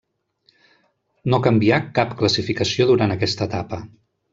No canvià cap classificació durant aquesta etapa.